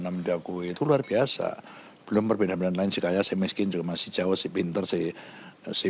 namdaquw itu luar biasa belum berbeda beda nanti kayak semiskin juga masih jauh si pinter sih si